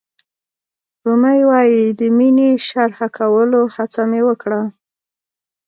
رومي وایي د مینې شرحه کولو هڅه مې وکړه.